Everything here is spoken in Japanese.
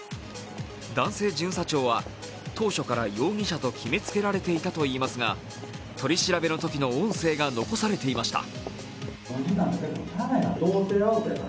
男性巡査長は当初から容疑者と決めつけられていたと言いますが取り調べのときの音声が残されていました。